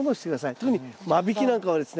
特に間引きなんかはですね